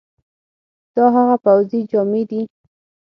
دا هغه پوځي جامي دي،